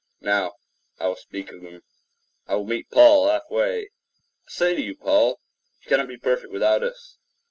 Now, I will speak of them. I will meet Paul half way. I say to you, Paul, you cannot be perfect without us.